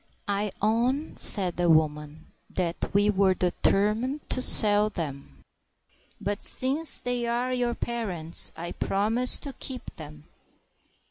"I own," said the woman, "that we were determined to sell them ; but since they are your parents, I promise to keep them."